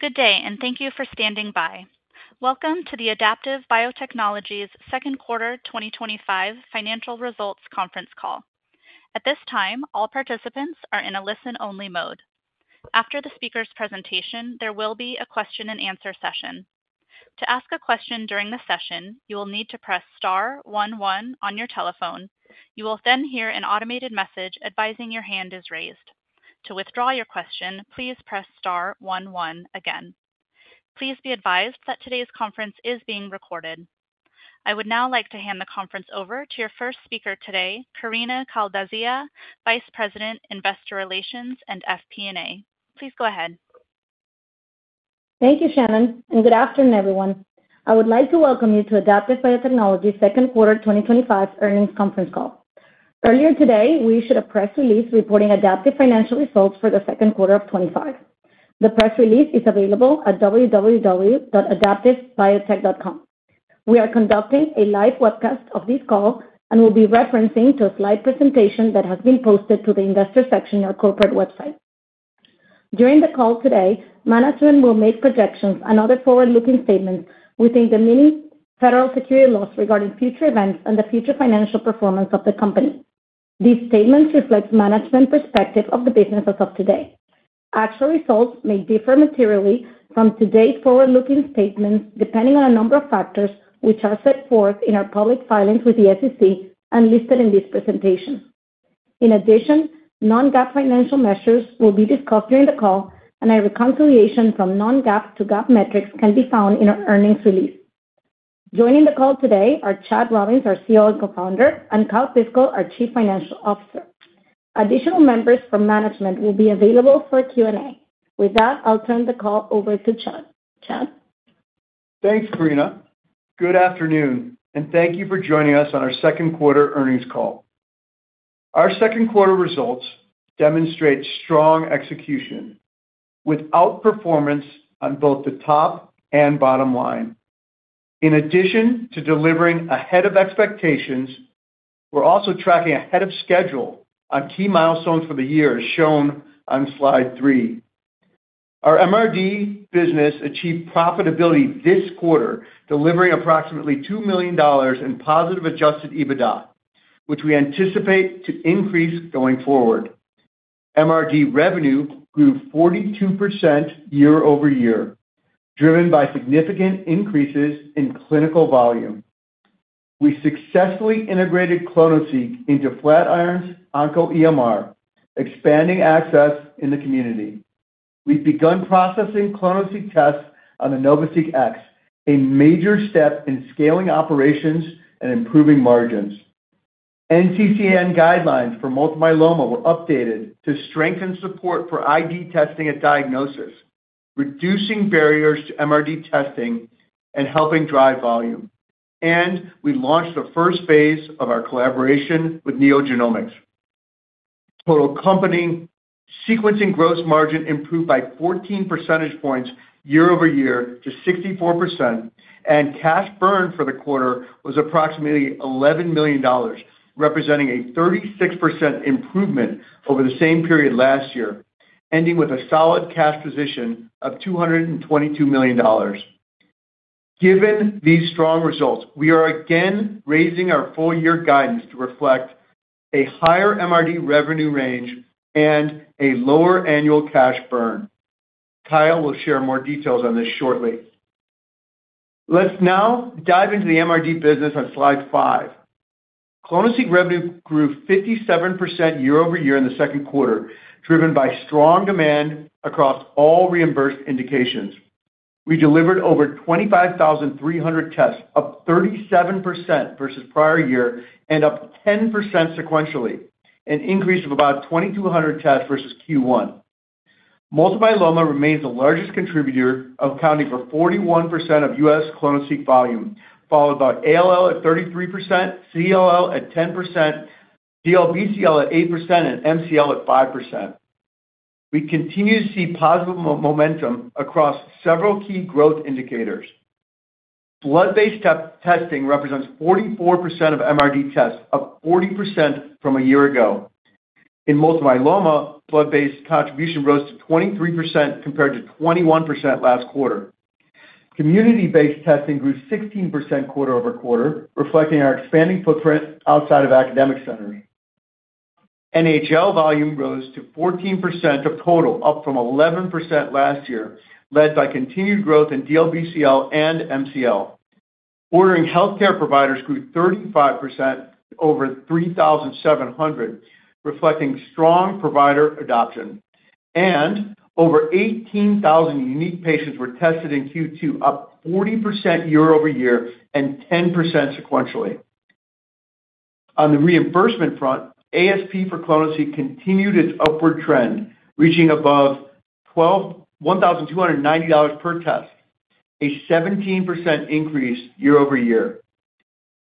Good day and thank you for standing by. Welcome to the Adaptive Biotechnologies Second Quarter 2025 Financial Results Conference Call. At this time all participants are in a listen-only mode. After the speaker's presentation there will be a question and answer session. To ask a question during the session you will need to press star one one on your telephone. You will then hear an automated message advising your hand is raised. To withdraw your question, please press star one one again. Please be advised that today's conference is being recorded. I would now like to hand the conference over to your first speaker today, Karina Calzadilla, Vice President, Investor Relations and FP&A. Please go ahead. Thank you, Shannon, and good afternoon everyone. I would like to welcome you to the Adaptive Biotechnologies Second Quarter 2025 Earnings Conference Call. Earlier today we issued a press release reporting Adaptive Biotechnologies financial results for 2Q25. The press release is available at www.adaptivebiotech.com. We are conducting a live webcast of this call and will be referencing a slide presentation that has been posted to the Investor section of our corporate website. During the call today, management will make projections and other forward-looking statements within the meaning of Federal securities laws regarding future events and the future financial performance of the company. These statements reflect management's perspective of the business as of today. Actual results may differ materially from today's forward-looking statements depending on a number of factors which are set forth in our public filings with the SEC and listed in this presentation. In addition, non-GAAP financial measures will be discussed during the call and a reconciliation from non-GAAP to GAAP metrics can be found in our earnings release. Joining the call today are Chad Robins, our CEO and Co-Founder, and Kyle Piskel, our Chief Financial Officer. Additional members from management will be available for Q&A. With that, I'll turn the call over to Chad. Chad, thanks Karina. Good afternoon and thank you for joining us on our second quarter earnings call. Our second quarter results demonstrate strong execution. We outperformed on both the top and bottom line. In addition to delivering ahead of expectations, we're also tracking ahead of schedule on key milestones for the year, as shown on slide 3. Our MRD business achieved profitability this quarter, delivering approximately $2 million in positive adjusted EBITDA, which we anticipate to increase going forward. MRD revenue grew 42% year over year, driven by significant increases in clinical volume. We successfully integrated clonoSEQ into Flatiron Health's OncoEMR, expanding access in the community. We've begun processing clonoSEQ tests on the NovaSeq X, a major step in scaling operations and improving margins. NCCN guidelines for multiple myeloma were updated to strengthen support for ID testing at diagnosis, reducing barriers to MRD testing and helping drive volume, and we launched the first phase of our collaboration with NeoGenomics. Total company sequencing gross margin improved by 14 percentage points year over year to 64%, and cash burn for the quarter was approximately $11 million, representing a 36% improvement over the same period last year, ending with a solid cash position of $222 million. Given these strong results, we are again raising our full year guidance to reflect a higher MRD revenue range and a lower annual cash burn. Kyle will share more details on this shortly. Let's now dive into the MRD business on slide five. clonoSEQ revenue grew 57% year over year in the second quarter, driven by strong demand across all reimbursed indications. We delivered over 25,300 tests, up 37% versus prior year and up 10% sequentially, an increase of about 2,200 tests versus Q1. Multiple myeloma remains the largest contributor, accounting for 41% of U.S. clonoSEQ volume, followed by ALL at 33%, CLL at 10%, DLBCL at 8%, and MCL at 5%. We continue to see positive momentum across several key growth indicators. Blood-based testing represents 44% of MRD tests, up 40% from a year ago. In multiple myeloma, blood-based contribution rose to 23% compared to 21% last quarter. Community-based testing grew 16% quarter over quarter, reflecting our expanding footprint outside of academic centers. NHL volume rose to 14% of total, up from 11% last year, led by continued growth in DLBCL and MCL ordering. Healthcare providers grew 35% over 3,700, reflecting strong provider adoption, and over 18,000 unique patients were tested in Q2, up 40% year over year and 10% sequentially. On the reimbursement front, ASP for clonoSEQ continued its upward trend, reaching above $1,290 per test, a 17% increase year over year.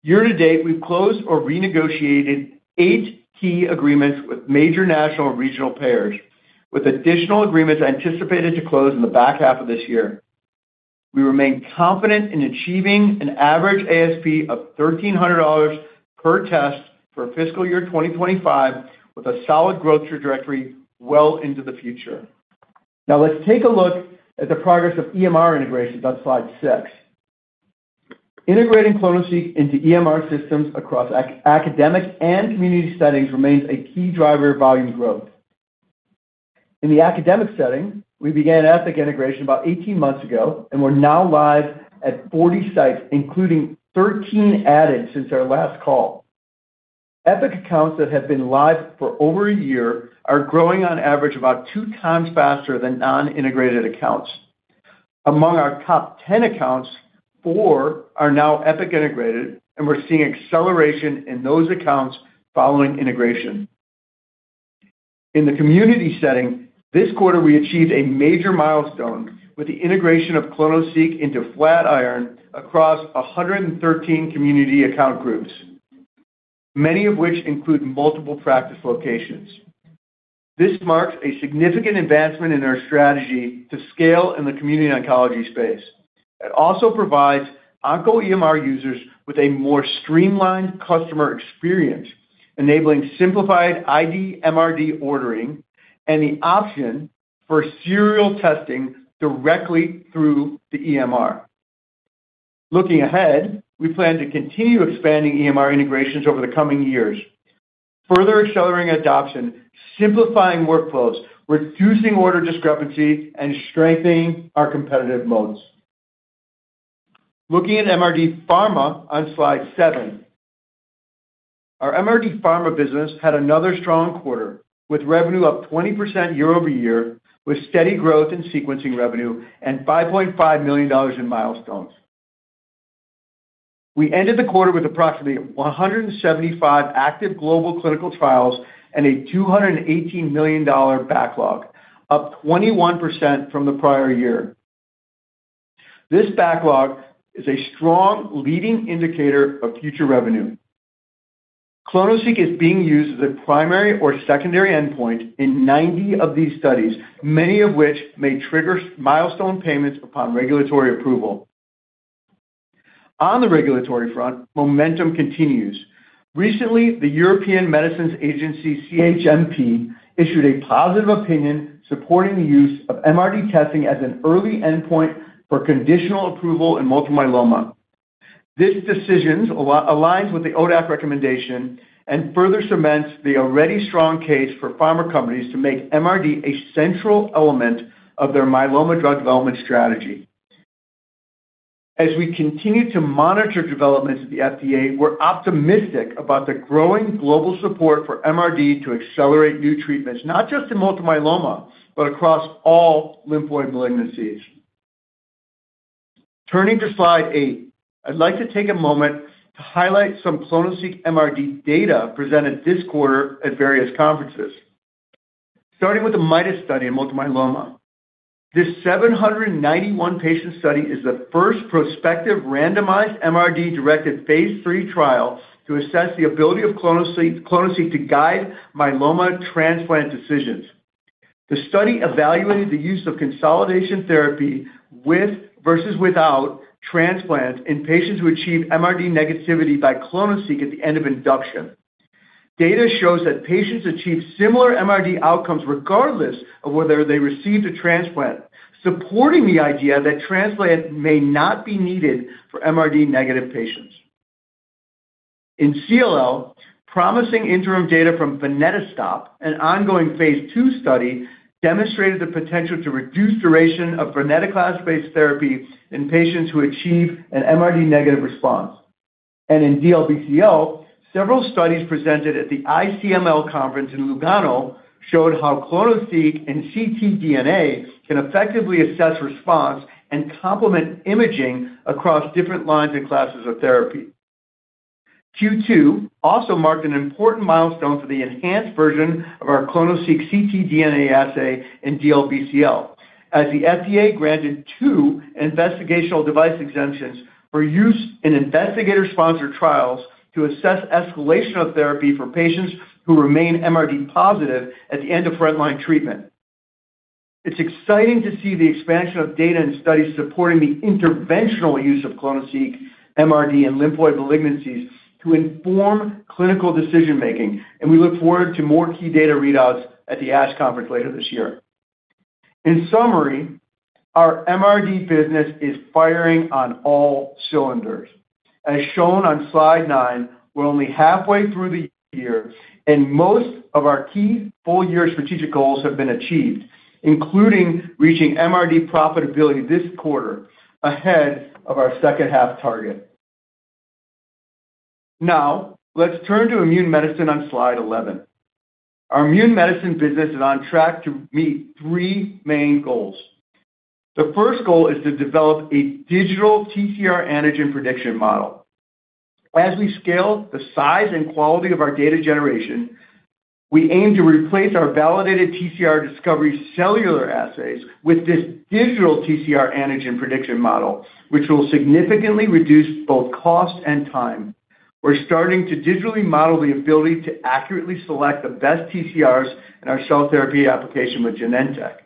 Year to date, we've closed or renegotiated eight key agreements with major national and regional payers, with additional agreements anticipated to close in the back half of this year. We remain confident in achieving an average ASP of $1,300 per test for fiscal year 2025 with a solid growth trajectory well into the future. Now let's take a look at the progress of EMR integration on slide six. Integrating clonoSEQ into EMR systems across academic and community settings remains a key driver of volume growth in the academic setting. We began Epic integration about 18 months ago and we're now live at 40 sites, including 13 add-ins since our last call. Epic accounts that have been live for over a year are growing on average about two times faster than non-integrated accounts. Among our top 10 accounts, four are now Epic integrated and we're seeing acceleration in those accounts following integration in the community setting. This quarter we achieved a major milestone with the integration of clonoSEQ into Flatiron across 113 community account groups, many of which include multiple practice locations. This marks a significant advancement in our strategy to scale in the community oncology space. It also provides OncoEMR users with a more streamlined customer experience, enabling simplified ID, MRD ordering, and the option for serial testing directly through the EMR. Looking ahead, we plan to continue expanding EMR integrations over the coming years, further accelerating adoption, simplifying workflows, reducing order discrepancy, and strengthening our competitive moats. Looking at MRD Pharma on slide seven, our MRD Pharma business had another strong quarter with revenue up 20% year over year. With steady growth in sequencing revenue and $5.5 million in milestones, we ended the quarter with approximately 175 active global clinical trials and a $218 million backlog, up 21% from the prior year. This backlog is a strong leading indicator of future revenue. clonoSEQ is being used as the primary or secondary endpoint in 90 of these studies, many of which may trigger milestone payments upon regulatory approval. On the regulatory front, momentum continues. Recently, the European Medicines Agency CHMP issued a positive opinion supporting the use of MRD testing as an early endpoint for conditional approval in multiple myeloma. This decision aligns with the ODAC recommendation and further cements the already strong case for pharma companies to make MRD a central element of their myeloma drug development strategy. As we continue to monitor developments at the FDA, we're optimistic about the growing global support for MRD to accelerate new treatments not just in multiple myeloma but across all lymphoid malignancies. Turning to Slide eight, I'd like to take a moment to highlight some clonoSEQ MRD data presented this quarter at various conferences, starting with the MIDAS study in multiple myeloma. This 791-patient study is the first prospective randomized MRD-directed phase 3 trial to assess the ability of clonoSEQ to guide myeloma transplant decisions. The study evaluated the use of consolidation therapy with versus without transplant in patients who achieve MRD negativity by clonoSEQ at the end of induction. Data shows that patients achieve similar MRD outcomes regardless of whether they received a transplant, supporting the idea that transplant may not be needed for MRD-negative patients in CLL transplant. Promising interim data from VENETO-STOP, an ongoing phase II study, demonstrated the potential to reduce duration of venetoclax-based therapy in patients who achieve an MRD-negative response. In DLBCL, several studies presented at the ICML conference in Lugano showed how clonoSEQ and ctDNA can effectively assess response and complement imaging across different lines and classes of therapy. Q2 also marked an important milestone for the enhanced version of our clonoSEQ ctDNA assay in DLBCL as the FDA granted two investigational device exemptions for use in investigator-sponsored trials to assess escalation of therapy for patients who remain MRD positive at the end of frontline treatment. It's exciting to see the expansion of data and studies supporting the interventional use of clonoSEQ and MRD in lymphoid malignancies to inform clinical decision making, and we look forward to more key data readouts at the ASH conference later this year. In summary, our MRD business is firing on all cylinders as shown on Slide nine. We're only halfway through the year and most of our key full-year strategic goals have been achieved, including reaching MRD profitability this quarter ahead of our second half target. Now let's turn to immune medicine. On slide 11, our immune medicine business is on track to meet three main goals. The first goal is to develop a digital TCR antigen prediction model as we scale the size and quality of our data generation. We aim to replace our validated TCR discovery cellular assays with this digital TCR antigen prediction model, which will significantly reduce both cost and time. We're starting to digitally model the ability to accurately select the best TCRs in our cell therapy application with Genentech.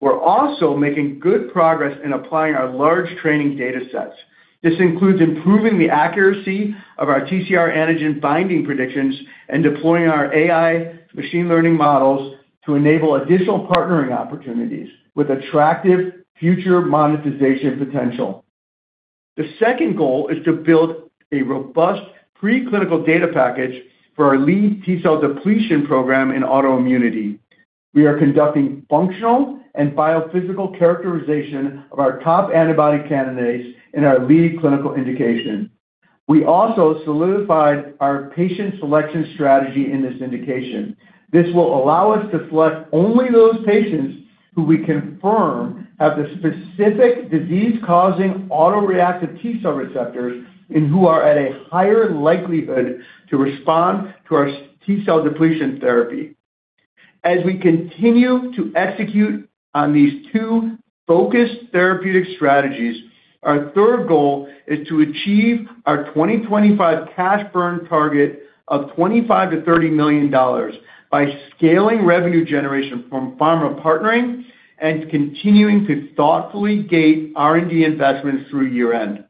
We're also making good progress in applying our large training data sets. This includes improving the accuracy of our TCR antigen binding predictions and deploying our AI to machine learning models to enable additional partnering opportunities with attractive future monetization potential. The second goal is to build a robust preclinical data package for our lead T cell depletion program in autoimmunity. We are conducting functional and biophysical characterization of our top antibody candidates in our lead clinical indication. We also solidified our patient selection strategy in this indication. This will allow us to select only those patients who we confirm have the specific disease-causing autoreactive T cell receptors and who are at a higher likelihood to respond to our T cell depletion therapy. As we continue to execute on these two focused therapeutic strategies, our third goal is to achieve our 2025 cash burn target of $25 million to $30 million by scaling revenue generation from pharma partnering and continuing to thoughtfully gate R&D investments through year end.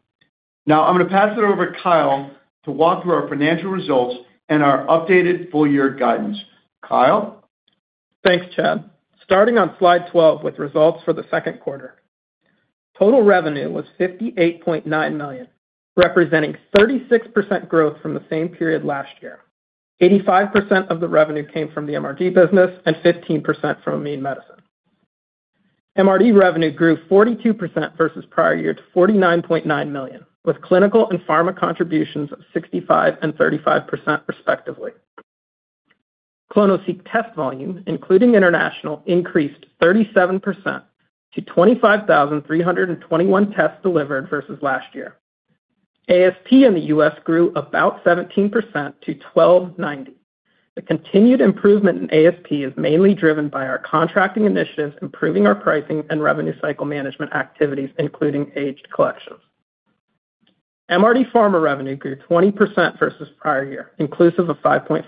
Now I'm going to pass it over to Kyle to walk through our financial results and our updated full year guidance. Kyle, thanks Chad. Starting on slide 12. With results for the second quarter, total revenue was $58.9 million, representing 36% growth from the same period last year. 85% of the revenue came from the MRD business and 15% from immune medicine. MRD revenue grew 42% versus prior year to $49.9 million with clinical and pharma contributions of 65% and 35% respectively. clonoSEQ test volume including international increased 37% to 25,321 tests delivered versus last year. ASP in the U.S. grew about 17% to $1,290. The continued improvement in ASP is mainly driven by our contracting initiatives improving our pricing and revenue cycle management activities including aged collections. MRD pharma revenue grew 20% versus prior year inclusive of $5.5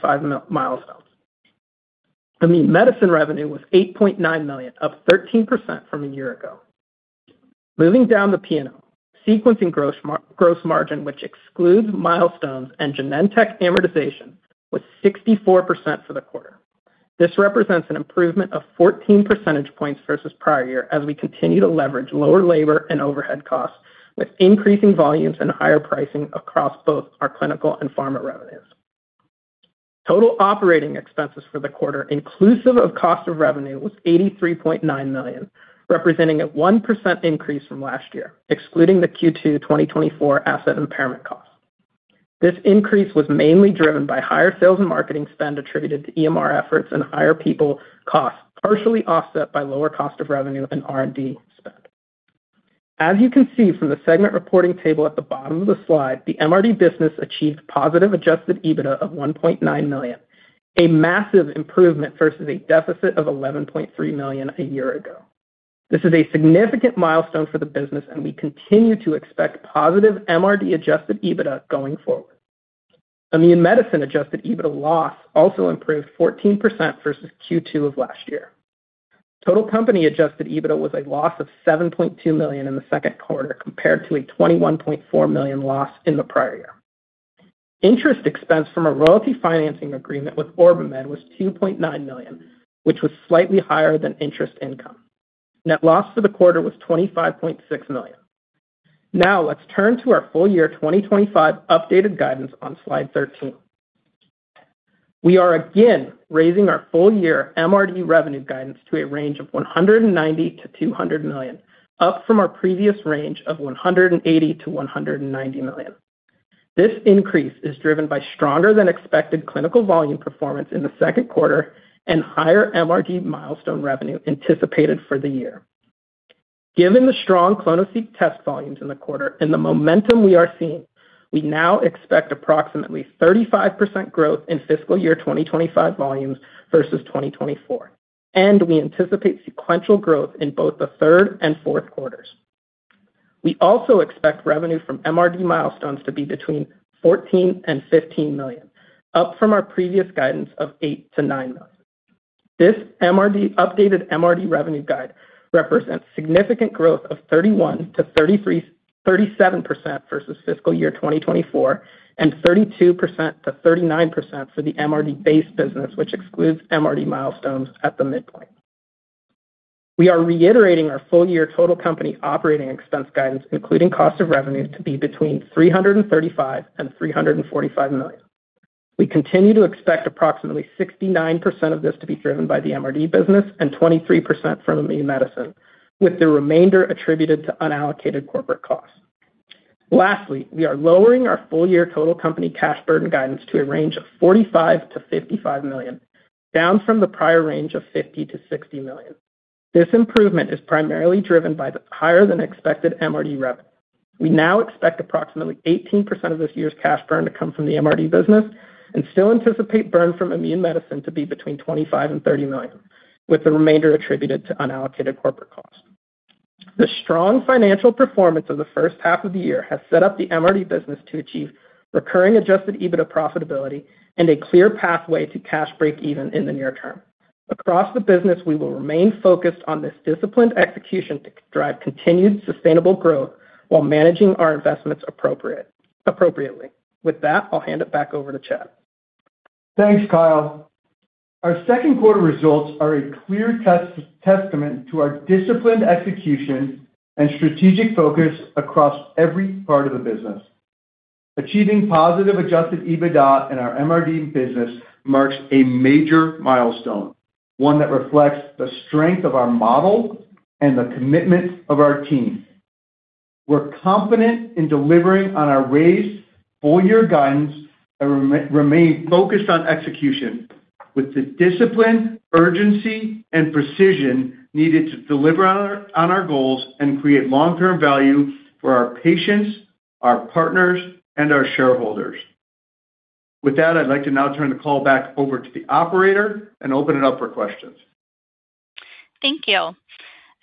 million. Immune medicine revenue was $8.9 million, up 13% from a year ago. Moving down the P&L, sequencing gross margin which excludes milestones and Genentech amortization was 64% for the quarter. This represents an improvement of 14 percentage points versus prior year as we continue to leverage lower labor and overhead costs with increasing volumes and higher pricing across both clinical and pharma revenues. Total operating expenses for the quarter inclusive of cost of revenue was $83.9 million, representing a 1% increase from last year excluding the Q2 2024 asset impairment cost. This increase was mainly driven by higher sales and marketing spend attributed to EMR efforts and higher people costs, partially offset by lower cost of revenue and R&D spend. As you can see from the segment reporting table at the bottom of the slide, the MRD business achieved positive adjusted EBITDA of $1.9 million, a massive improvement versus a deficit of $11.3 million a year ago. This is a significant milestone for the business and we continue to expect positive MRD adjusted EBITDA going forward. Immune medicine adjusted EBITDA loss also improved 14% versus Q2 of last year. Total company adjusted EBITDA was a loss of $7.2 million in the second quarter compared to a $21.4 million loss in the prior year. Interest expense from a royalty financing agreement with OrbiMed was $2.9 million, which was slightly higher than interest income. Net loss for the quarter was $25.6 million. Now let's turn to our full year 2025 updated guidance on slide 13. We are again raising our full year MRD revenue guidance to a range of $190 million to $200 million, up from our previous range of $180 million to $190 million. This increase is driven by stronger than expected clinical volume performance in the second quarter and higher MRD milestone revenue anticipated for the year. Given the strong clonoSEQ test volumes in the quarter and the momentum we are seeing, we now expect approximately 35% growth in fiscal year 2025 volumes versus 2024, and we anticipate sequential growth in both the third and fourth quarters. We also expect revenue from MRD milestones to be between $14 million and $15 million, up from our previous guidance of $8 million to $9 million. This updated MRD revenue guide represents significant growth of 31% to 37% versus fiscal year 2024 and 32% to 39% for the MRD-based business, which excludes MRD milestones. At the midpoint, we are reiterating our full year total company operating expense guidance, including cost of revenue, to be between $335 million and $345 million. We continue to expect approximately 69% of this to be driven by the MRD business and 23% from immune medicine, with the remainder attributed to unallocated corporate costs. Lastly, we are lowering our full year total company cash burn guidance to a range of $45 million to $55 million, down from the prior range of $50 million to $60 million. This improvement is primarily driven by the higher than expected MRD revenue. We now expect approximately 18% of this year's cash burn to come from the MRD business and still anticipate burn from immune medicine to be between $25 million and $30 million, with the remainder attributed to unallocated corporate costs. The strong financial performance of the first half of the year has set up the MRD business to achieve recurring adjusted EBITDA profitability and a clear pathway to cash breakeven in the near term across the business. We will remain focused on this disciplined execution to drive continued sustainable growth while managing our investments appropriately. With that, I'll hand it back over to Chad. Thanks, Kyle. Our second quarter results are a clear testament to our disciplined execution and strategic focus across every part of the business. Achieving positive adjusted EBITDA in our MRD business marks a major milestone, one that reflects the strength of our model and the commitment of our team. We're confident in delivering on our raised full year guidance and remain focused on execution with the discipline, urgency, and precision needed to deliver on our goals and create long term value for our patients, our partners, and our shareholders. With that, I'd like to now turn the call back over to the operator and open it up for questions. Thank you.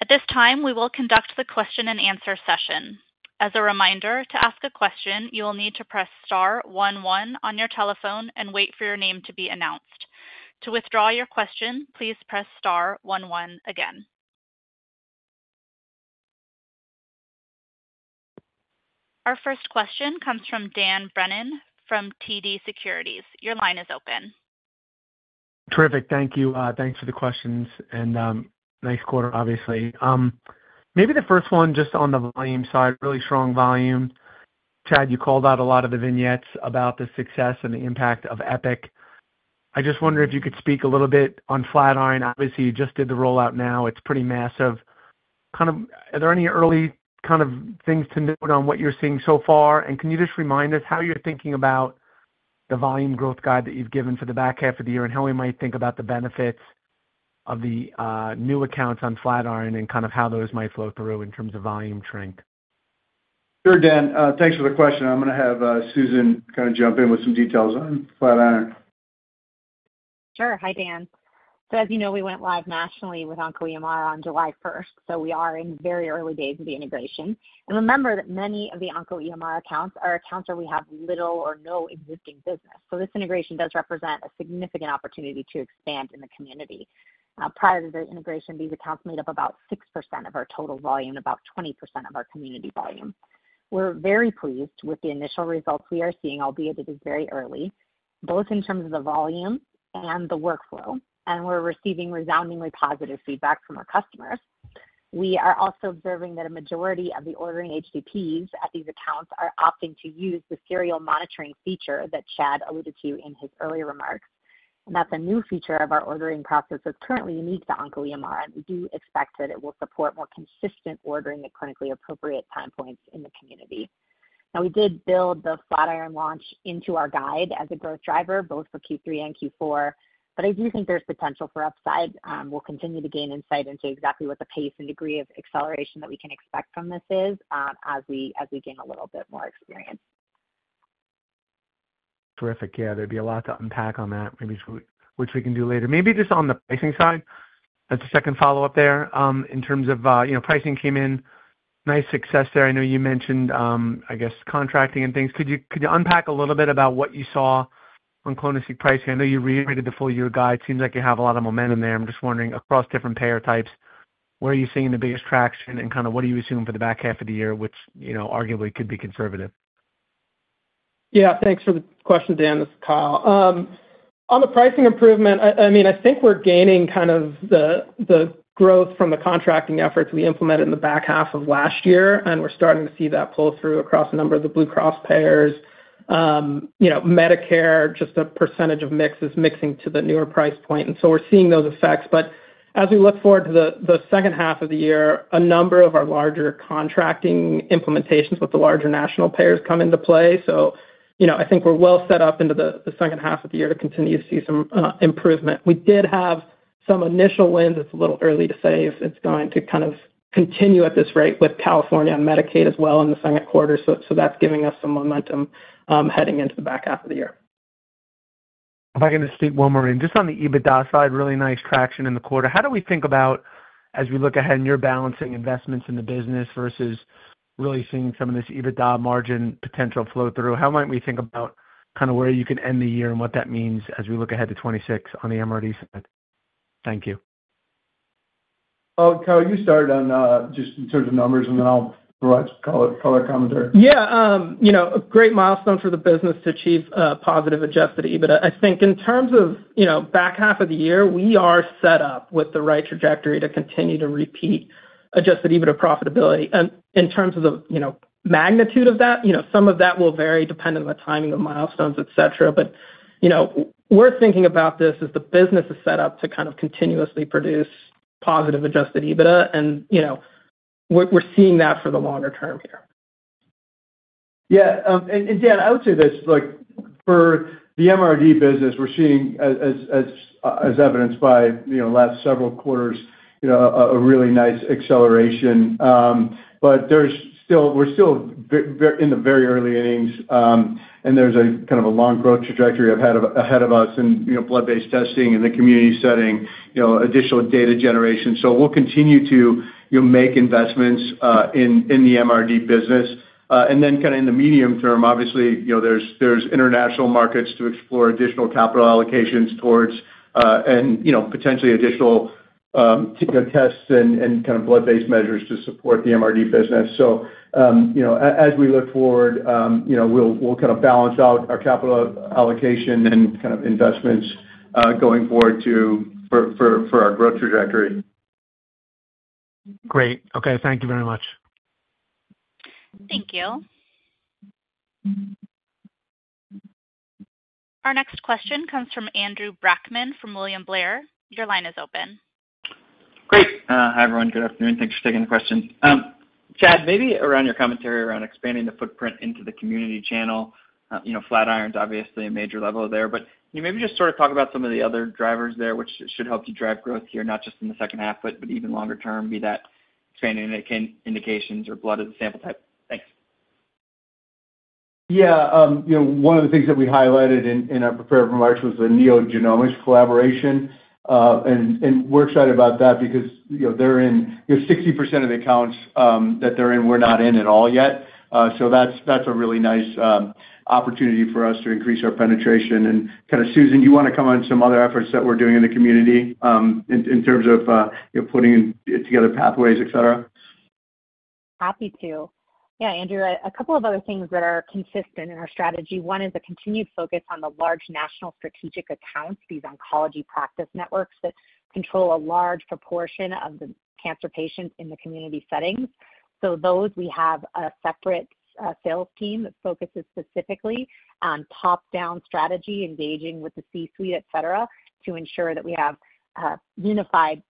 At this time, we will conduct the question and answer session. As a reminder, to ask a question, you will need to press star one one on your telephone and wait for your name to be announced. To withdraw your question, please press Star one one again. Our first question comes from Dan Brennan from TD Securities. Your line is open. Terrific. Thank you. Thanks for the questions and nice quarter. Obviously, maybe the first one. Just on the volume side, really strong volume. Chad, you called out a lot of the vignettes about the success and the impact of Epic. I just wonder if you could speak a little bit on Flatiron. Obviously, you just did the rollout now. It's pretty massive, kind of. Are there any early kind of things to note on what you're seeing so far? Can you just remind us how you're thinking about the volume growth guide that you've given for the back half of the year and how we might think about the benefits of the new accounts on Flatiron and kind of how those might flow through in terms of volume shrink? Sure, Dan, thanks for the question. I'm going to have Susan kind of jump in with some details on Flatiron. Sure. Hi Dan. As you know, we went live nationally with OncoEMR on July 1, so we are in very early days of the integration. Remember that many of the OncoEMR accounts are accounts where we have little or no existing business. This integration does represent a significant opportunity to expand in the community. Prior to the integration, these accounts made up about 6% of our total volume, about 20% of our community volume. We're very pleased with the initial results we are seeing, albeit it is very early, both in terms of the volume and the workflow, and we're receiving resoundingly positive feedback from our customers. We are also observing that a majority of the ordering HCPs at these accounts are opting to use the serial monitoring feature that Chad alluded to in his earlier remarks, and that the new feature of our ordering process is currently unique to OncoEMR. We do expect that it will support more consistent ordering at clinically appropriate time points in the community. We did build the Flatiron launch into our guide as a growth driver both for Q3 and Q4, but I do think there's potential for upside. We'll continue to gain insight into exactly what the pace and degree of acceleration that we can expect from this is as we gain a little bit more experience. Terrific. Yeah, there'd be a lot to unpack on that, maybe which we can do later. Maybe just on the pricing side, that's a second follow-up there in terms of pricing. Came in nice success there. I know you mentioned, I guess, contracting and things. Could you unpack a little bit about what you saw on clonoSEQ pricing? I know you reiterated the full year guide. Seems like you have a lot of momentum there. I'm just wondering across different payer types, where are you seeing the biggest traction and kind of what do you assume for the back half of the year, which arguably could be conservative? Yeah, thanks for the question, Dan. This is Kyle on the pricing improvement. I think we're gaining kind of the growth from the contracting efforts we implemented in the back half of last year, and we're starting to see that pull through across a number of the Blue Cross payers. Medicare, just a percentage of mix, is mixing to the newer price point, and we're seeing those effects. As we look forward to the second half of the year, a number of our larger contracting implementations with the larger national payers come into play. I think we're well set up into the second half of the year to continue to see some improvement. We did have some initial wins. It's a little early to say if it's going to continue at this rate with California and Medicaid as well in the second quarter. That's giving us some momentum heading into the back half of the year. If I can just speak one more in just on the EBITDA side, really nice traction in the quarter. How do we think about as we look ahead and you're balancing investments in the business versus really seeing some of this EBITDA margin potential flow through? How might we think about kind of where you can end the year and what that means as we look ahead to 2026 on the MRD side? Thank you, Carl. You started on just in terms of numbers and then I'll provide some color commentary. Yeah, a great milestone for the business to achieve positive adjusted EBITDA. I think in terms of back half of the year, we are set up with the right trajectory to continue to repeat adjusted EBITDA profitability, and in terms of the magnitude of that, some of that will vary depending on the timing of milestones, etc. We're thinking about this as the business is set up to kind of continuously produce positive adjusted EBITDA, and we're seeing that for the longer term here. Yeah, and Dan, I would say this for the MRD business. We're seeing, as evidenced by last several quarters, a really nice acceleration. We're still in the very early innings and there's a kind of a long growth trajectory ahead of us and blood-based testing in the community setting, additional data generation. We'll continue to make investments in the MRD business and then in the medium term, obviously there's international markets to explore, additional capital allocations towards, and potentially additional tests and kind of blood-based measures to support the MRD business. As we look forward, we'll kind of balance out our capital allocation and investments going forward for our growth trajectory. Great. Okay, thank you very much. Thank you. Our next question comes from Andrew Brackman from William Blair. Your line is open. Hi everyone. Good afternoon. Thanks for taking the question. Chad, maybe around your commentary around expanding the footprint into the community channel. Flatiron's obviously a major level there, but can you maybe just sort of talk about some of the other drivers there which should help you drive growth here, not just in the second half, but even longer term, be that strand indications or blood of the sample type. Thanks. One of the things that we highlighted in our prepared remarks was the NeoGenomics collaboration. We're excited about that because they're in 60% of the accounts that they're in. We're not in at all yet. That's a really nice opportunity for us to increase our penetration. Susan, do you want to comment on some other efforts that we're doing in the community in terms of putting together pathways, et cetera? Happy to, yeah. Andrew, a couple of other things that are consistent in our strategy. One is a continued focus on the large national strategic accounts, these oncology practice networks that control a large proportion of the cancer patients in the community settings. We have a separate sales team that focuses specifically on top down strategy, engaging with the C-suite, et cetera, to ensure that we have unified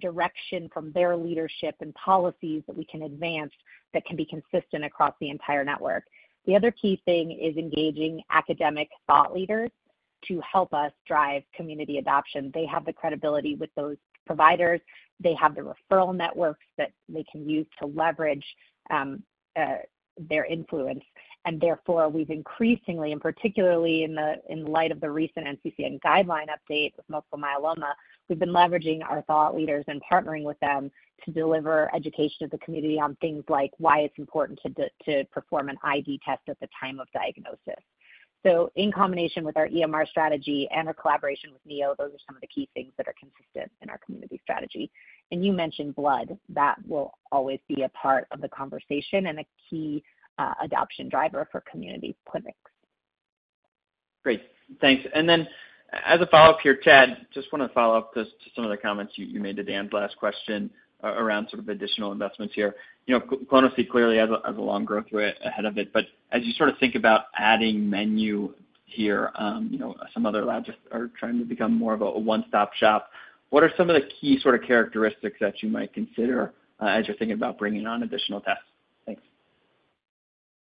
direction from their leadership and policies that we can advance that can be consistent across the entire network. The other key thing is engaging academic thought leaders to help us drive community adoption. They have the credibility with those providers. They have the referral networks that they can use to leverage their influence. Therefore, we've increasingly, and particularly in light of the recent NCCN guideline update, multiple myeloma, been leveraging our thought leaders and partnering with them to deliver education to the community on things like why it's important to perform an ID test at the time of diagnosis. In combination with our EMR strategy and our collaboration with NeoGenomics, those are some of the key things that are consistent in our community strategy. You mentioned blood. That will always be a part of the conversation and a key adoption driver for community clinics. Great, thanks. As a follow up here. Chad, just want to follow up to some of the comments you made to Dan's last question around sort of additional investments here. You know, clonoSEQ clearly has a long growth rate ahead of it. As you sort of think about adding menu here, some other labs are trying to become more of a one stop shop. What are some of the key sort of characteristics that you might consider as you're thinking about bringing on additional tasks? Thanks.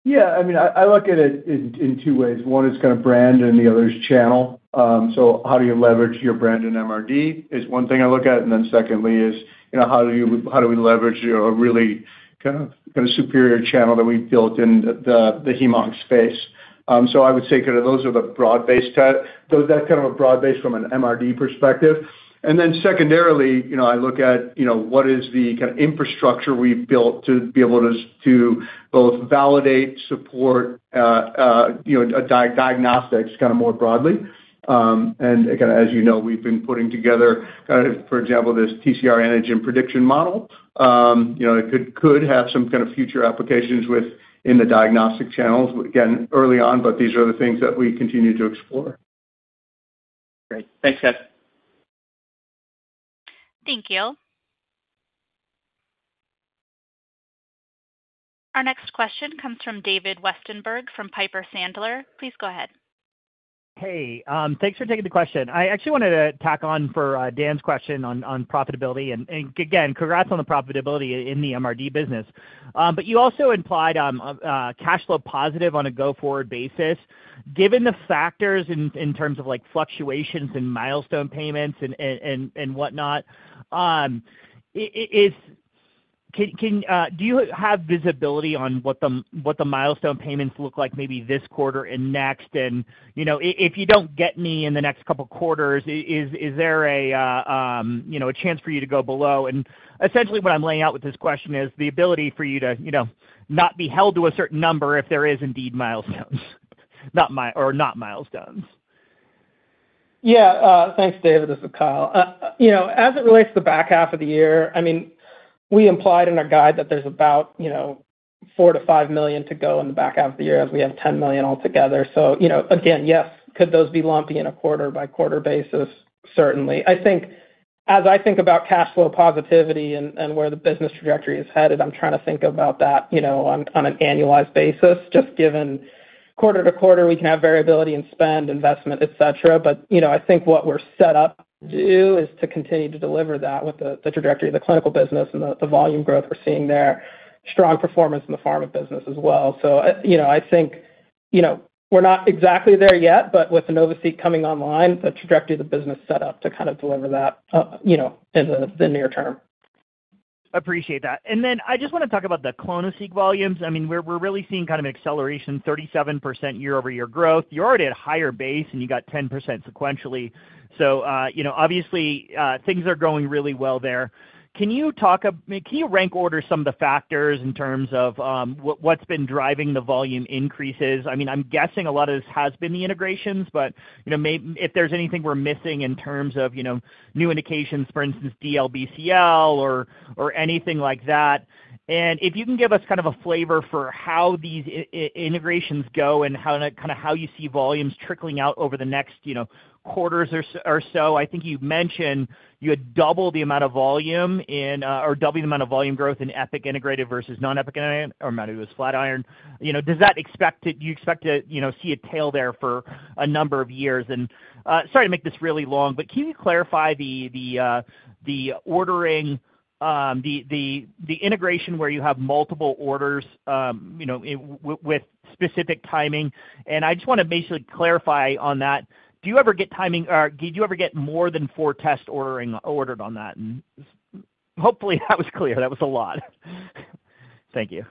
Yeah, I mean I look at it in two ways. One is kind of brand and the other is channel. How do you leverage your brand in MRD is one thing I look at. Then secondly, you know, how do you, how do we leverage your really kind of got a superior channel that we built in the hemong space. I would say those are the broad based. That's kind of a broad based from an MRD perspective. Secondarily, I look at, you know, what is the kind of infrastructure we've built to be able to both validate, support, you know, diagnostics kind of more broadly. As you know, we've been putting together, for example, this TCR antigen prediction model. You know, it could have some kind of future applications within the diagnostic channels, again early on. These are the things that we continue to explore. Great, thanks Kat. Thank you. Our next question comes from David Westenberg from Piper Sandler. Please go ahead. Hey, thanks for taking the question. I actually wanted to tack on for Dan's question on profitability. Congrats on the profitability in the MRD. You also implied cash flow positive on a go forward basis, given the factors in terms of fluctuations in milestone payments and whatnot. Do. You have visibility on what the milestone payments look like, maybe this quarter and next. If you don't get any in the next couple quarters, is there a chance for you to go below? Essentially, what I'm laying out with this question is the ability for you to not be held to a certain number if there is indeed milestones, not milestones. Yeah, thanks, David. This is Kyle. As it relates to the back half of the year, we implied in our guide that there's about $4 million to $5 million to go in the back half of the year as we have $10 million altogether. Yes, could those be lumpy on a quarter by quarter basis? Certainly. I think as I think about cash flow positivity and where the business trajectory is headed, I'm trying to think about that on an annualized basis, just given quarter to quarter, we can have variability in spend, investment, et cetera. I think what we're set up to do is to continue to deliver that with the trajectory of the clinical business and the volume growth we're seeing there, strong performance in the pharma business as well. We're not exactly there yet, but with the NovaSeq coming online, the trajectory the business set up to kind of deliver that in the near term. Appreciate that. I just want to talk. About the clonoSEQ volumes. I mean, we're really seeing kind of an acceleration, 37% year over year growth. You're already at higher base and you got 10% sequentially. Obviously, things are going really well there. Can you rank order. Some of the factors in terms of what's been driving the volume increases? I'm guessing a lot of. This has been the integrations, but if there's anything we're missing in terms of new indications, for instance, DLBCL or anything. If you can give us a flavor for how these integrations go. How you see volumes trickling out over the next quarters or so. I think you mentioned you had double the amount of volume or double the amount of volume growth in Epic integrated versus non Epic or amount of Flatiron, you know, does that expect it? Do you expect to, you know, see a tail there for a number of years? Sorry to make this really long, but can you clarify the ordering? The integration where you have multiple orders, you know, with specific timing? I just want to basically clarify on that. Do you ever get timing? Ever get more than four tests ordered on that? Hopefully that was clear. That was a lot. Thank you.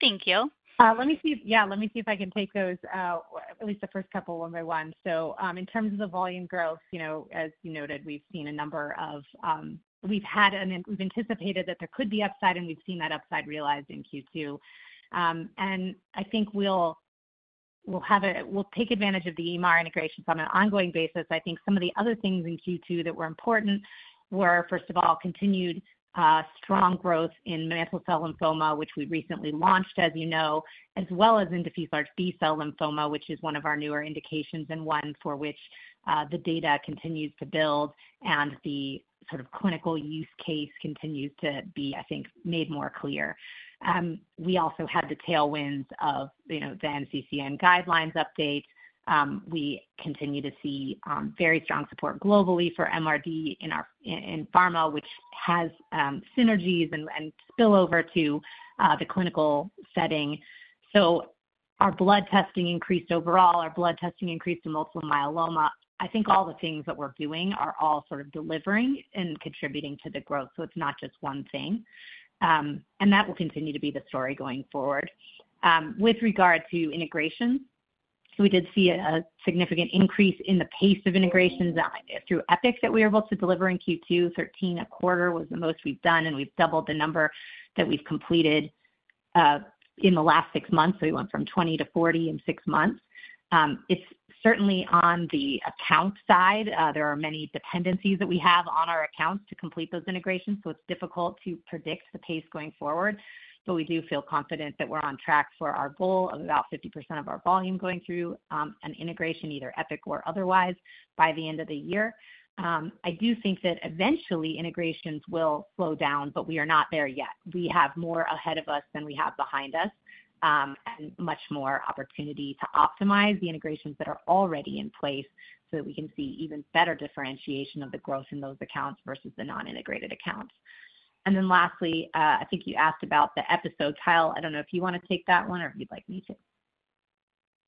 Thank you. Let me see if I can take those, at least the first couple, one by one. In terms of the volume growth, as you noted, we've seen a number of, we've had and we've anticipated that there could be upside and we've seen that upside realized in Q2 and I think we'll have it. We'll take advantage of the EMR integrations on an ongoing basis. Some of the other things in Q2 that were important were, first of all, continued strong growth in mantle cell lymphoma, which we recently launched, as you know, as well as in diffuse large B cell lymphoma, which is one of our newer indications and one for which the data continues to build and the sort of clinical use case continues to be, I think, made more clear. We also had the tailwinds of the NCCN guidelines updates. We continue to see very strong support globally for MRD in pharma, which has synergies and spillover to the clinical setting. Our blood testing increased overall, our blood testing increased in multiple myeloma. I think all the things that we're doing are all sort of delivering and contributing to the growth. It's not just one thing. That will continue to be the story going forward with regard to integrations. We did see a significant increase in the pace of integrations through Epic that we were able to deliver in Q2. Thirteen a quarter was the most we've done and we've doubled the number that we've completed in the last six months. We went from 20 to 40 in six months. Certainly on the account side, there are many dependencies that we have on our accounts to complete those integrations. It's difficult to predict the pace going forward, but we do feel confident that we're on track for our goal of about 50% of our volume going through an integration, either Epic or otherwise, by the end of the year. I do think that eventually integrations will slow down, but we are not there yet. We have more ahead of us than we have behind us and much more opportunity to optimize the integrations that are already in place so that we can see even better differentiation of the growth in those accounts versus the non-integrated accounts. Lastly, I think you asked about the episode tile. I don't know if you want to take that one or if you'd like me to.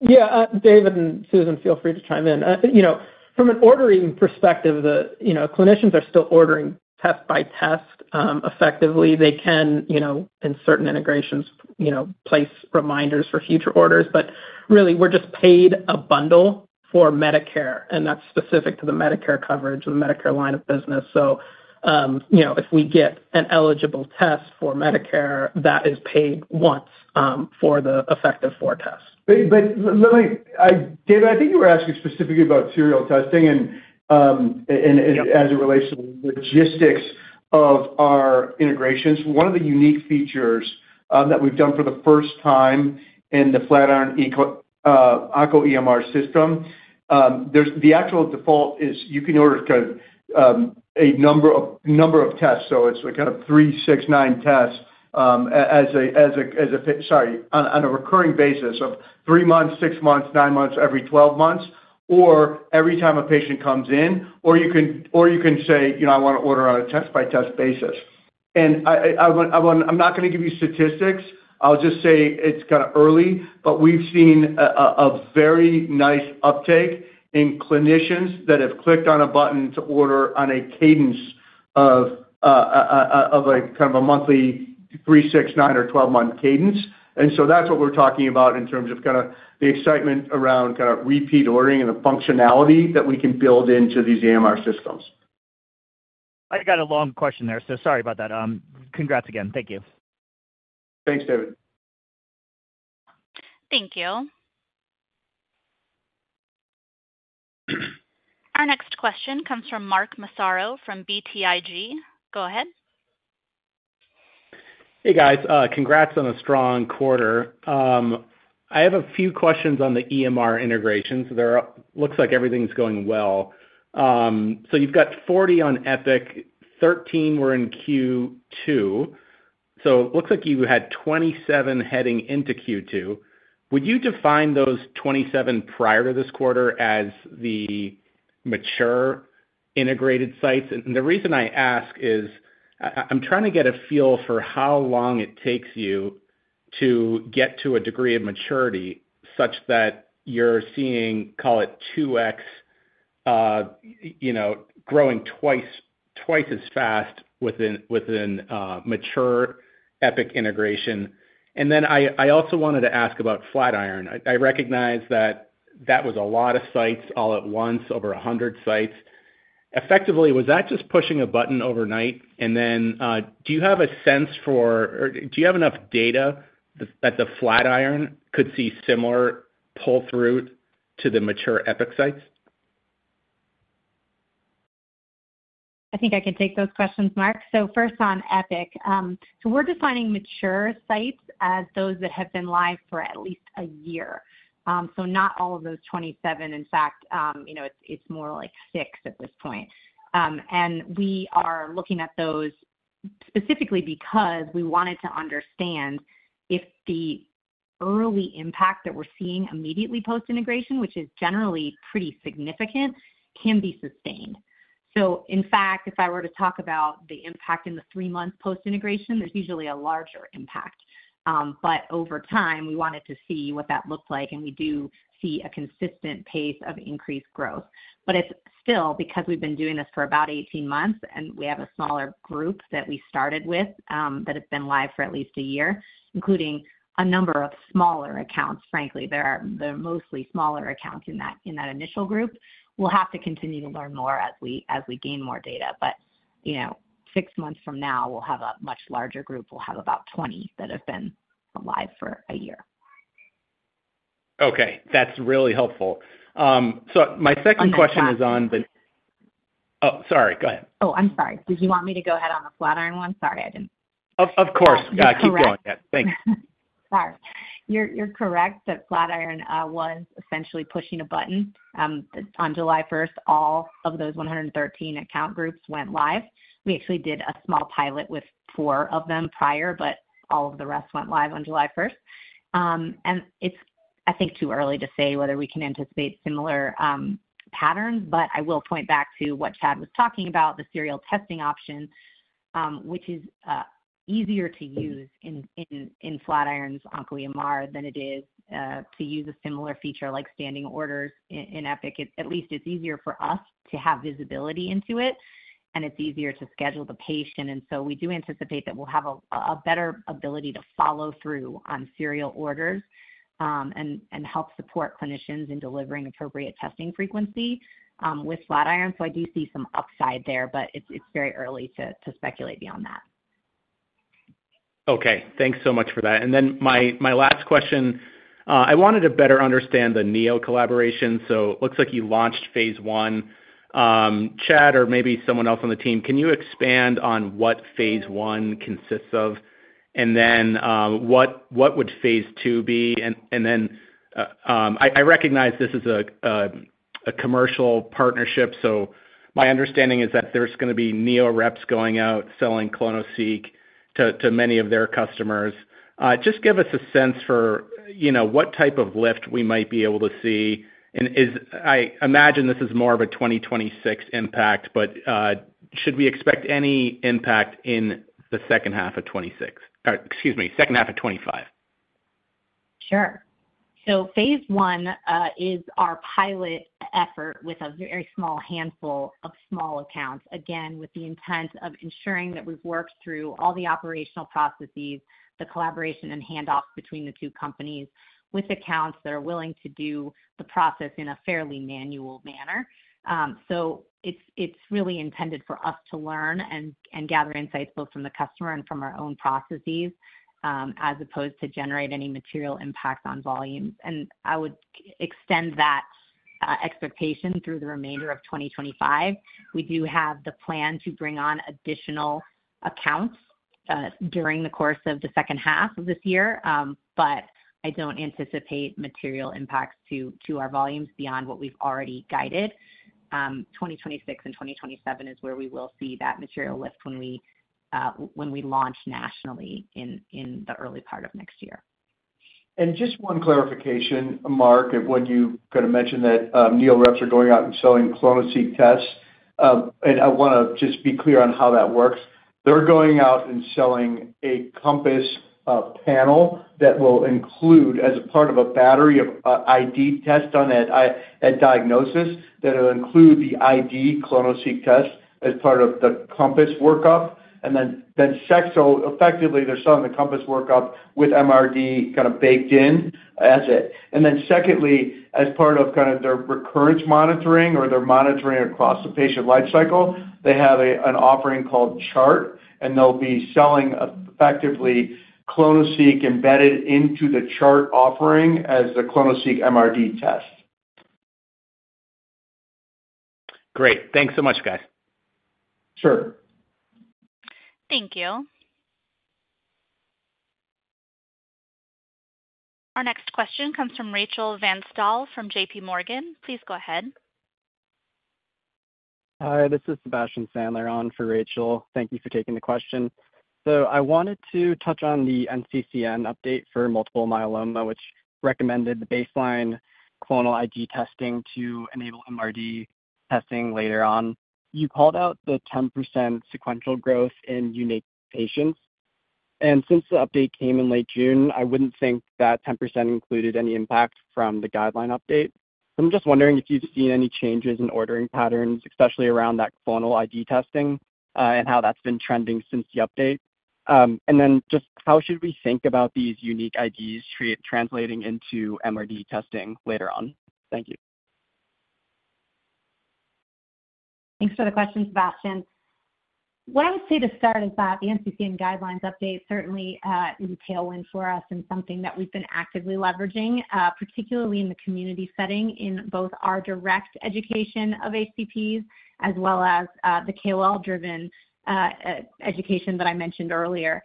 Yeah. David and Susan, feel free to chime in. You know, from an ordering perspective, clinicians are still ordering test by test. Effectively, they can, in certain integrations, place reminders for future orders. Really, we're just paid a bundle for Medicare, and that's specific to the Medicare coverage and the Medicare line of business. If we get an eligible test for Medicare, that is paid once for the effective four test. Let me, David, I think you were asking specifically about serial testing. As it relates to the logistics of our integrations, one of the unique features that we've done for the first time in the Flatiron OncoEMR system, the actual default is you can order a number of tests. It's kind of three, six, nine tests on a recurring basis of three months, six months, nine months, every 12 months, or every time a patient comes in. You can also say, you know, I want to order on a test by test basis. I'm not going to give you statistics. I'll just say it's kind of early. We've seen a very nice uptake in clinicians that have clicked on a button to order on a cadence of a kind of a monthly three, six, nine or 12 month cadence. That's what we're talking about in terms of the excitement around repeat ordering and the functionality that we can build into these EMR systems. I got a long question there. Sorry about that. Congrats again. Thank you. Thanks, David. Thank you. Our next question comes from Mark Massaro from BTIG. Go ahead. Hey guys, congrats on a strong quarter. I have a few questions on the EMR integrations. It looks like everything's going well. You've got 40 on Epic, 13 were in Q2. It looks like you had 27 heading into Q2. Would you define those 27 prior to this quarter as the mature integrated sites? The reason I ask is I'm trying to get a feel for how long it takes you to get to a degree of maturity such that you're seeing, call it 2x, growing twice as fast within mature Epic integration. I also wanted to ask about Flatiron. I recognize that that was a lot of sites all at once, over 100 sites, effectively. Was that just pushing a button overnight? Do you have a sense for, do you have enough data that the Flatiron could see similar pull through to the mature Epic sites? I think I can take those questions, Mark. First, on Epic, we're defining mature sites as those that have been live for at least a year. Not all of those 27. In fact, it's more like six at this point. We are looking at those specifically because we wanted to understand if the early impact that we're seeing immediately post integration, which is generally pretty significant, can be sustained. If I were to talk about the impact in the three month post integration, there's usually a larger impact, but over time we wanted to see what that looked like. We do see a consistent pace of increased growth. It's still because we've been doing this for about 18 months and we have a smaller group that we started with that have been live for at least a year, including a number of smaller accounts. Frankly, they're mostly smaller accounts in that initial group where we'll have to continue to learn more as we gain more data. Six months from now we'll have a much larger group. We'll have about 20 that have been live for a year. Okay, that's really helpful. My second question is on the—oh, sorry, go ahead. Oh, I'm sorry, did you want me to go ahead on the Flatiron one? Sorry, I didn't. Of course. Keep going. Thanks. You're correct that Flatiron was essentially pushing a button. On July 1st, all of those 113 account groups went live. We actually did a small pilot with four of them prior, but all of the rest went live on July 1st. It's, I think, too early to say whether we can anticipate similar patterns. I will point back to what Chad was talking about, the serial testing option, which is easier to use in Flatiron's OncoEMR than it is to use a similar feature like standing orders in Epic. At least it's easier for us to have visibility into it, and it's easier to schedule the patient. We do anticipate that we'll have a better ability to follow through on serial orders and help support clinicians in delivering appropriate testing frequency with Flatiron. I do see some upside there, but it's very early to speculate beyond that. Okay, thanks so much for that. My last question, I wanted to better understand the NeoGenomics collaboration. It looks like you launched phase one, Chad, or maybe someone else on the team. Can you expand on what phase one consists of? What would phase two be? I recognize this is a commercial partnership. My understanding is that there are going to be NeoGenomics reps going out selling clonoSEQ to many of their customers. Just give us a sense for what type of lift we might be able to see. I imagine this is more of a 2026 impact, but should we expect any impact in 2H25? Phase one is our pilot effort with a very small handful of small accounts, again with the intent of ensuring that we've worked through all the operational processes, the collaboration and handoff between the two companies with accounts that are willing to do the process in a fairly manual manner. It is really intended for us to learn and gather insights both from the customer and from our own processes as opposed to generate any material impact on volumes. I would extend that expectation through the remainder of 2025. We do have the plan to bring on additional accounts during the course of the second half of this year, but I don't anticipate material impacts to our volumes beyond what we've already guided. 2026 and 2027 is where we will see that material lift when we launch nationally in the early part of next year. Just one clarification, Mark. When you kind of mentioned that NeoGenomics reps are going out and selling clonoSEQ tests, I want to just be clear on how that works. They're going out and selling a Compass panel that will include, as a part of a battery of ID tests done at diagnosis, the ID clonoSEQ test as part of the Compass workup and then sextile. Effectively, they're selling the Compass workup with MRD kind of baked in as it. Secondly, as part of their recurrence monitoring or their monitoring across the patient lifecycle, they have an offering called Chart, and they'll be selling effectively clonoSEQ embedded into the Chart offering as the clonoSEQ MRD test. Great. Thanks so much, guys. Sure. Thank. You. Our next question comes from Rachel Vatnsdal from J.P. Morgan. Please go ahead. Hi, this is Sebastian Sandler on for Rachel. Thank you for taking the question. I wanted to touch on the. NCCN update for multiple myeloma, which recommended the baseline clonal ID testing to enable MRD testing later on. You called out the 10% sequential growth in unique patients. Since the update came in late June, I wouldn't think that 10% included any impact from the guideline update. I'm just wondering if you've seen any. Changes in ordering patterns, especially around that clonal ID testing and how that's been trending since the update, and just how should we think about these unique IDs translating into MRD testing later on? Thank you. Thanks for the question, Sebastian. What I would say to start is that the NCCN guidelines update certainly is a tailwind for us and something that we've been actively leveraging, particularly in the community setting, in both our direct education of HCPs as well as the KOL-driven education that I mentioned earlier.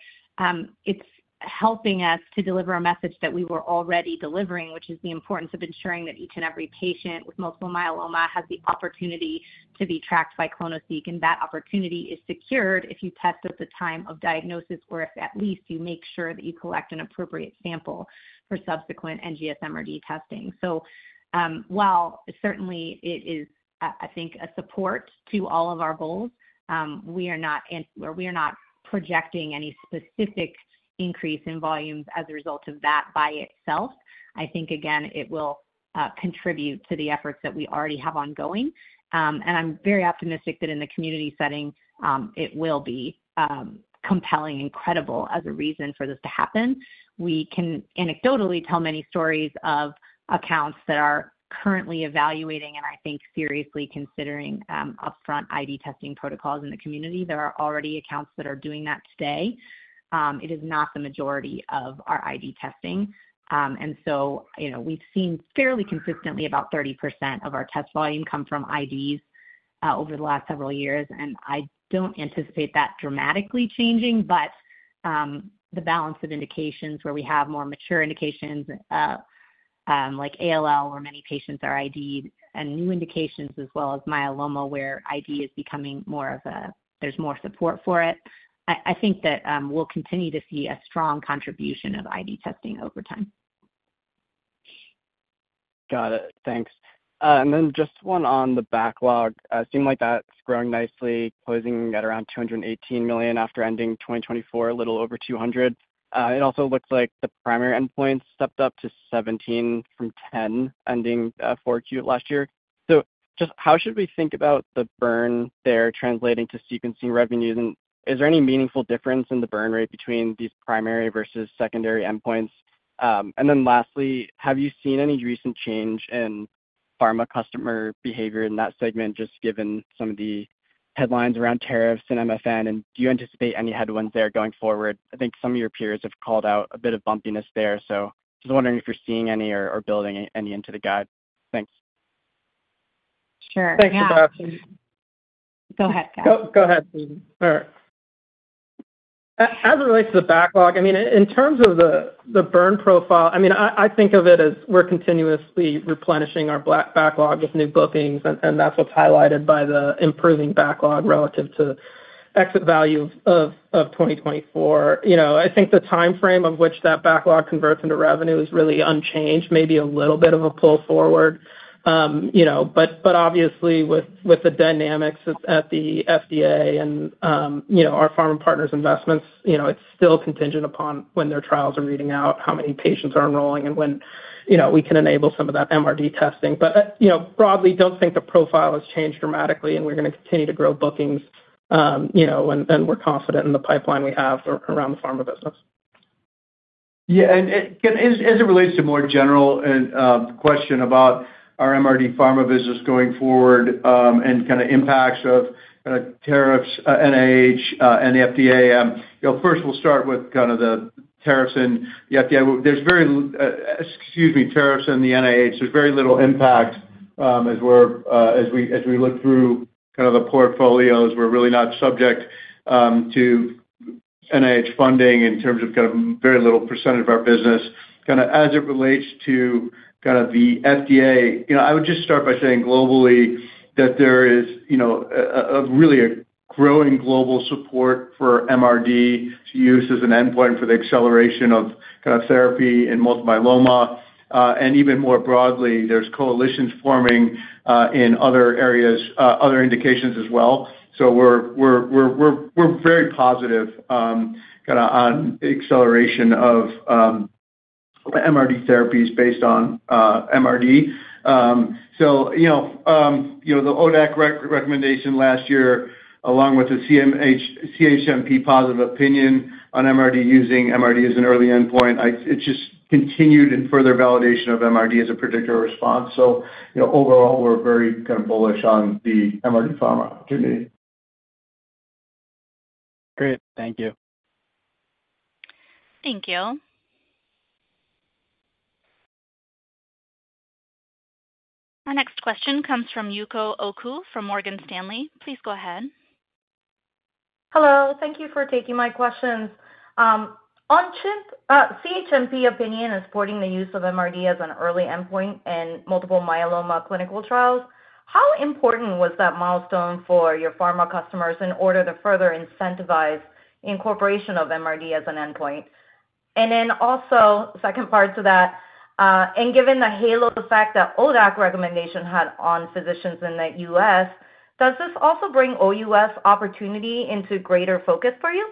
It's helping us to deliver a message that we were already delivering, which is the importance of ensuring that each and every patient with multiple myeloma has the opportunity to be tracked by clonoSEQ. That opportunity is if you test at the time of diagnosis, or if at least you make sure that you collect an appropriate sample for subsequent NGS-MRD testing. While certainly it is, I think, a support to all of our goals, we are not projecting any specific increase in volumes as a result of that by itself. I think again, it will contribute to the efforts that we already have ongoing and I'm very optimistic that in the community setting it will be compelling and credible as a reason for this to happen. We can anecdotally tell many stories of accounts that are currently evaluating and I think seriously considering upfront ID testing protocols in the community. There are already accounts that are doing that today. It is not the majority of our ID testing and we've seen fairly consistently about 30% of our test volume come from IDs over the last several years. I don't anticipate that dramatically changing, but the balance of indications where we have more mature indications like ALL where many patients are ID'd and new indications, as well as myeloma where ID is becoming more of a there's more support for it. I think that we'll continue to see a strong contribution of ID testing over time. Got it, thanks. Just one on the backlog, it seems like that's growing nicely, closing at around $218 million after ending 2024 a little over $200 million. It also looks like the primary endpoints stepped up to 17 from 10 ending 4Q last year. How should we think about this? The burn there translating to sequencing revenues? Is there any meaningful difference in the burn rate between these primary versus secondary endpoints? Lastly, have you seen any recent change in pharma customer behavior in that segment, just given some of the headlines around tariffs and MFN, and do you anticipate any headwinds there going forward? I think some of your peers have called out a bit of bumpiness there, so I was wondering if you're seeing any or building any into the guide. Thanks. Sure. Go ahead, Karina. Go ahead, team. As it relates to the backlog, in terms of the burn profile, I think of it as we're continuously replenishing our backlog of new bookings, and that's what's highlighted by the improving backlog relative to exit value of 2024. I think the timeframe of which that backlog converts into revenue is really unchanged. Maybe a little bit of a pull forward, but obviously with the dynamics at the FDA and our pharma partners' investments, it's still contingent upon when their trials are reading out, how many patients are enrolling, and when we can enable some of that MRD testing. Broadly, I don't think the profile has changed dramatically, and we're going to continue to grow bookings, and we're confident in the pipeline we have around the pharma business. As it relates to more general questions about our MRD pharma business going forward and impacts of tariffs, NIH, and the FDA, first we'll start with the tariffs and the FDA. Excuse me, tariffs and the NIH, there's very little impact as we look through the portfolios. We're really not subject to NIH funding in terms of very little % of our business as it relates to the FDA. I would just start by saying globally that there is really a growing global support for MRD to use as an endpoint for the acceleration of therapy in multiple myeloma. Even more broadly, there are coalitions forming in other areas, other indications as well. We're very positive on acceleration of MRD therapies based on MRD. The ODAC recommendation last year, along with the CHMP positive opinion on MRD using MRD as an early endpoint, is just continued and further validation of MRD as a predictor response. Overall, we're very bullish on the MRD pharma. Great. Thank you. Thank you. Our next question comes from Yuko Oku from Morgan Stanley. Please go ahead. Hello. Thank you for taking my questions on CHMP opinion and supporting the use of MRD as an early endpoint in multiple myeloma clinical trials. How important was that milestone for your pharma customers in order to further incentivize incorporation of MRD as an endpoint? The second part to that, given the halo effect that ODAC recommendation had on physicians in the U.S., does this also bring OUS opportunity into greater focus for you?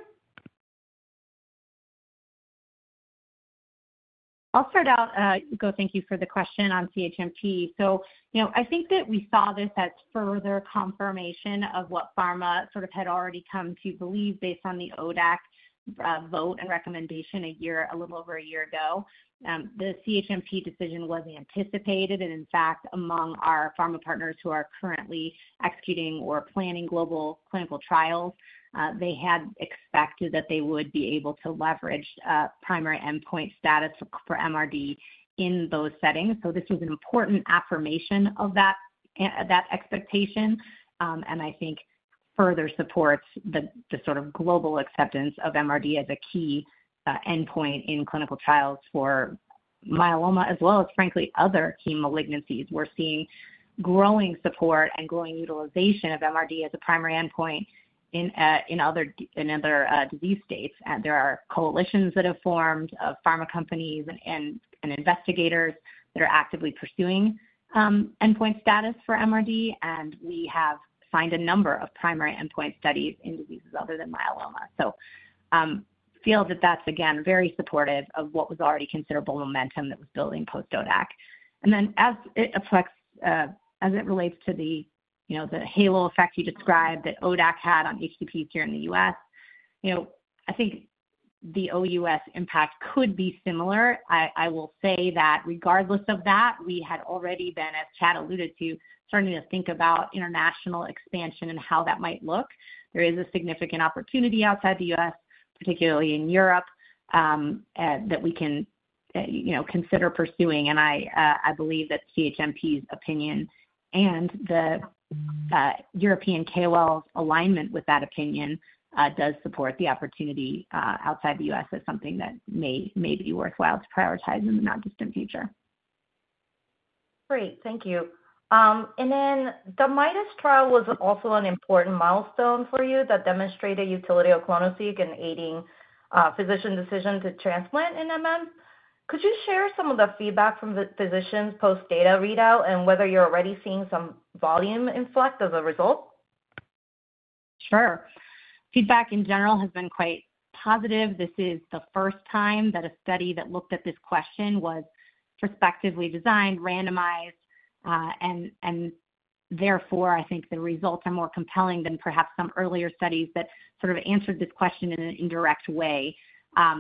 I'll start out. Thank you for the question on CHMP. I think that we saw this as further confirmation of what pharma sort of had already come to believe based on the ODAC vote and recommendation a year, a little over a year ago. The CHMP decision was anticipated and in fact among our pharma partners who are currently executing or planning global clinical trials, they had expected that they would be able to leverage primary endpoint status for MRD in those settings. This was an important affirmation of that expectation and I think further supports the sort of global acceptance of MRD as a key endpoint in clinical trials for myeloma as well as, frankly, other key malignancies. We're seeing growing support and growing utilization of MRD as a primary endpoint in other disease states. There are coalitions that have formed of pharma companies and investigators that are actively pursuing endpoint status for MRD and we have signed a number of primary endpoint studies in diseases other than myeloma. I feel that that's again very supportive of what was already considerable momentum that was building post ODAC. As it relates to the halo effect you described that ODAC had on HCPs here in the U.S., I think the OUS impact could be similar. I will say that regardless of that we had already been, as Chad alluded to, starting to think about international expansion and how that might look. There is a significant opportunity outside the U.S., particularly in Europe, that we can consider pursuing and I believe that CHMP's opinion and the European KOL alignment with that opinion does support the opportunity outside the U.S. as something that may be worthwhile to prioritize in the non-distant future. Great, thank you. The MIDAS trial was also an important milestone for you that demonstrated utility of clonoSEQ in aiding physician decision to transplant in MM. Could you share some of the feedback from the physicians post data readout and whether you're already seeing some volume inflect of the result? Sure. Feedback in general has been quite positive. This is the first time that a study that looked at this question was prospectively designed, randomized, and therefore I think the results are more compelling than perhaps some earlier studies that sort of answered this question in an indirect way.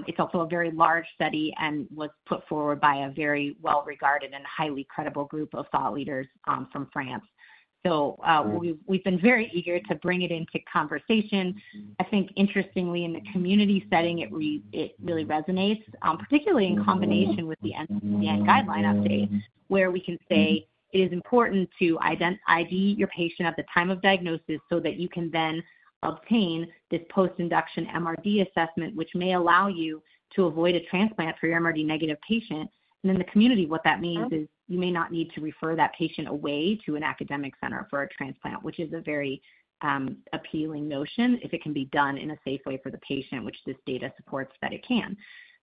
It's also a very large study and was put forward by a very well-regarded and highly credible group of thought leaders from France. We've been very eager to bring it into conversation. Interestingly, in the community setting it really resonates, particularly in combination with the NCCN guideline update where we can say it is important to ID your patient at the time of diagnosis so that you can then obtain this post-induction MRD assessment, which may allow you to avoid a transplant for your MRD negative patient. In the community, what that means is you may not need to refer that patient away to an academic center for a transplant, which is a very appealing notion if it can be done in a safe way for the patient, which this data supports that it can.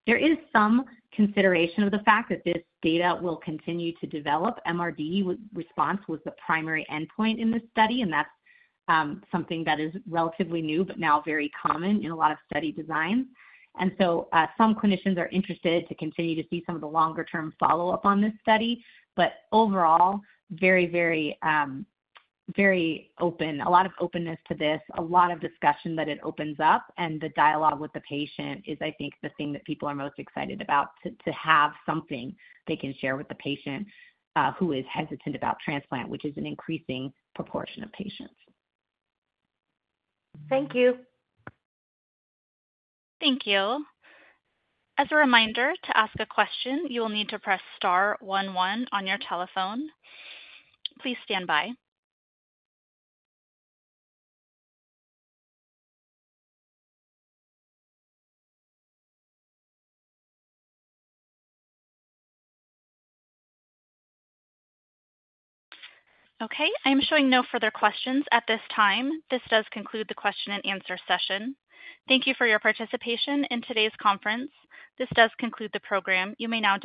There is some consideration of the fact that this data will continue to develop. MRD response was the primary endpoint in this study, and that's something that is relatively new but now very common in a lot of study designs. Some clinicians are interested to continue to see some of the longer-term follow-up on this study. Overall, very, very, very open. A lot of openness to this, a lot of discussion that it opens up, and the dialogue with the patient is, I think, the thing that people are most excited about—to have something they can share with the patient who is hesitant about transplant, which is an increasing proportion of patients. Thank you. Thank you. As a reminder, to ask a question, you will need to press star one one on your telephone. Please stand by. Okay. I am showing no further questions at this time. This does conclude the question and answer session. Thank you for your participation in today's conference. This does conclude the program. You may now disconnect.